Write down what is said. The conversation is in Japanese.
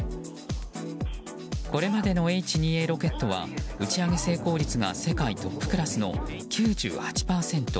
これまでのＨ２Ａロケットは打ち上げ成功率が世界トップクラスの９８％。